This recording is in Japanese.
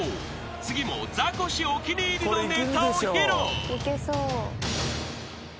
次もザコシお気に入りのネタを披露］